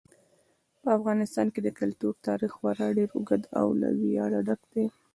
په افغانستان کې د کلتور تاریخ خورا ډېر اوږد او له ویاړه ډک دی.